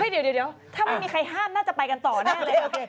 เดี๋ยวถ้าไม่มีใครห้ามน่าจะไปกันต่อแน่เลยโอเค